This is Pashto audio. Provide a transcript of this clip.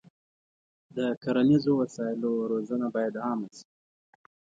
د کرنیزو وسایلو روزنه باید عامه شي.